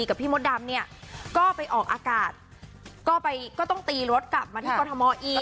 กับพี่มดดำเนี่ยก็ไปออกอากาศก็ไปก็ต้องตีรถกลับมาที่กรทมอีก